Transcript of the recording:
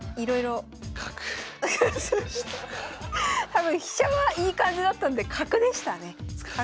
多分飛車はいい感じだったんで角でしたね。